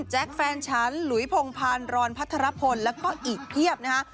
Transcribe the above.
แฟนฉันหลุยพงพานรอนพัทรพลแล้วก็อีกเพียบนะคะ